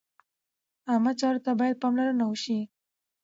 عامه چارو ته باید پاملرنه وشي.